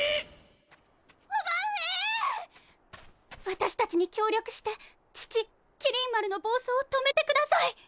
私達に協力して父麒麟丸の暴走を止めてください。